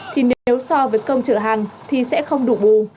thì nếu so với công trở hàng thì sẽ không đủ bù